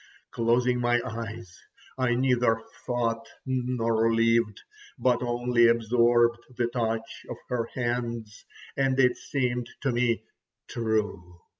Closing my eyes, I neither thought nor lived, but only absorbed the touch of her hands, and it seemed to me true.